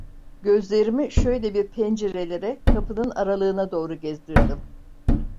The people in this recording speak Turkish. Gözlerimi şöyle bir pencerelere, kapının aralığına doğru gezdirdim.